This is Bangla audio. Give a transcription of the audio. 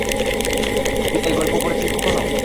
তুই এই গল্প পড়েছিস কখনো?